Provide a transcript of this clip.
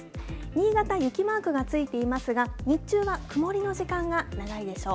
新潟、雪マークがついていますが、日中は曇りの時間が長いでしょう。